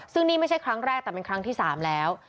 ซึ่งนี่ไม่ใช่ครั้งแรกแต่เป็นครั้งที่๓แล้ว